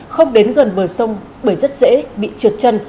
không đến gần bờ sông bởi rất dễ bị trượt chân